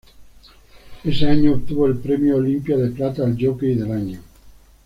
Ese año obtuvo el Premio Olimpia de Plata al jockey del año.